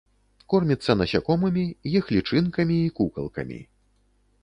Корміцца насякомымі, іх лічынкамі і кукалкамі.